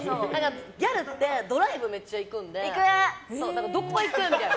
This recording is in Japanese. ギャルってドライブめっちゃ行くんでどこ行く？みたいな。